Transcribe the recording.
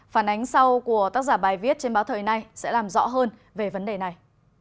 phản ánh sau của tác giả bài viết trên báo thời nay sẽ làm rõ hơn về vấn đề này